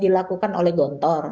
dilakukan oleh gontor